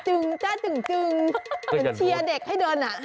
เป็นเชียร์เด็กให้เดิน